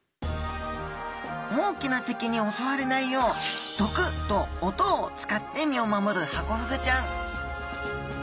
大きな敵におそわれないよう毒と音を使って身を守るハコフグちゃん。